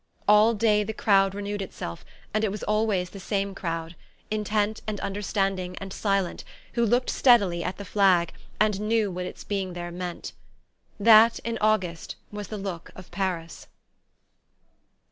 All day the crowd renewed itself, and it was always the same crowd, intent and understanding and silent, who looked steadily at the flag, and knew what its being there meant. That, in August, was the look of Paris.